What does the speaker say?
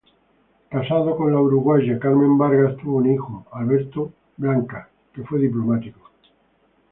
Casado con la uruguaya Carmen Vargas, tuvo un hijo, Alberto Blancas, que fue diplomático.